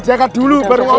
jangan dulu baru ngomong